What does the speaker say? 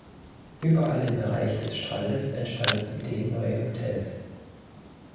Überall im Bereich des Strandes entstanden zudem neue Hotels.